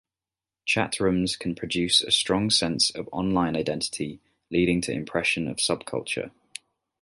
Chatrooms can produce a strong sense of online identity leading to impression of subculture.